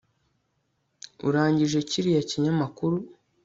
urangije kiriya kinyamakuru